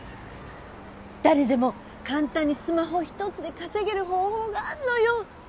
誰でも簡単にスマホ一つで稼げる方法があんのよ。